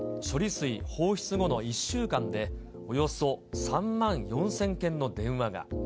東京都庁にも処理水放出後の１週間で、およそ３万４０００件の電話が。